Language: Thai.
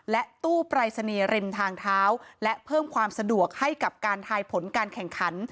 และตู้ปรายศนีย์ริมทางเท้าและเพิ่มความสะดวกให้กับการทายผลการแข่งขัน